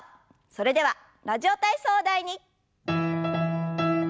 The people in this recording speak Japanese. それでは「ラジオ体操第２」。